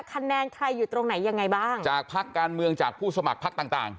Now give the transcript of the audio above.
คะแนนใครอยู่ตรงไหนยังไงบ้างจากพักการเมืองจากผู้สมัครพักต่างต่าง